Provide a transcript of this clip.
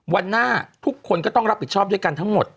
วันหน้าทุกคนก็ต้องรับผิดชอบด้วยกันทั้งหมด